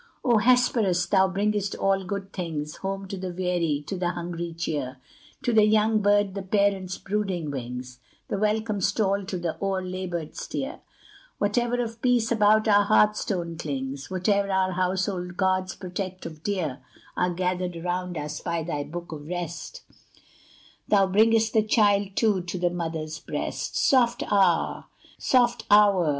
O Hesperus! thou bringest all good things: Home to the weary, to the hungry cheer, To the young bird the parent's brooding wings, The welcome stall to the o'er labored steer; Whatever of peace about our hearthstone clings, Whate'er our household gods protect of dear, Are gathered round us by thy look of rest; Thou bring'st the child, too, to the mother's breast. Soft hour!